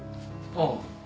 ああ。